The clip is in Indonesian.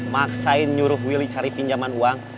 maksain nyuruh willy cari pinjaman uang